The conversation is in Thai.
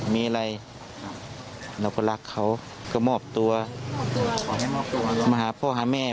มีอะไรเราก็รักเขาก็มอบตัวขอให้มอบตัวมาหาพ่อหาแม่